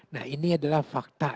nah ini adalah fakta